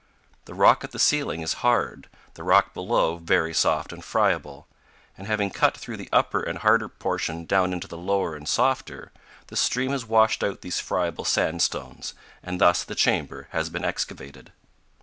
The rock at the ceiling is hard, the rock below, very soft and friable; and having cut through the upper and harder portion down into the lower and softer, the stream has washed out these friable sandstones; and thus the chamber has been excavated.